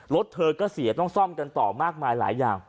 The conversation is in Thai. รถเธอก็เสียต้องซ่อมกันต่อมากมายหลายอย่าง